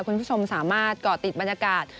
คุณผู้ชมสามารถเกาะติดบรรยากาศ